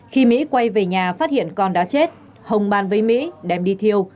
khi mỹ quay về nhà phát hiện con đã chết hồng bàn với mỹ đem đi thiêu